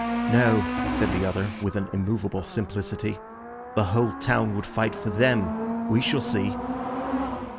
"No," said the other with an immovable simplicity, "the whole town would fight for them. We shall see."